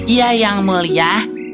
ya yang mulia